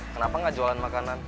kenapa nggak jualan makanan